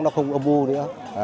nó không âm mưu nữa